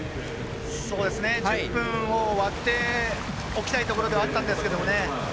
１０分を割っておきたいところではあったんですけどね。